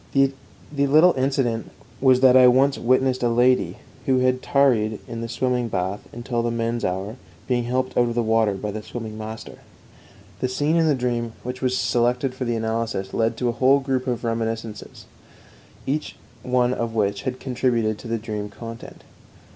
The little incident was that I once witnessed a lady, who had tarried in the swimming bath until the men's hour, being helped out of the water by the swimming master. The scene in the dream which was selected for analysis led to a whole group of reminiscences, each one of which had contributed to the dream content.